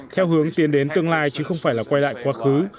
theo hướng tiến đến tương lai chứ không phải là quay lại quá khứ